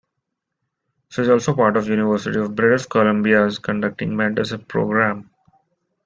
She is also part of University of British Columbia's conducting mentorship program.